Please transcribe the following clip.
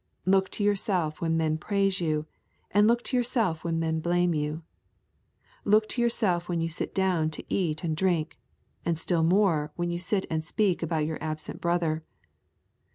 Look to yourself when men praise you, and look to yourself when men blame you. Look to yourself when you sit down to eat and drink, and still more when you sit and speak about your absent brother.